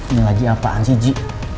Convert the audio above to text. ini lagi apaan sih ji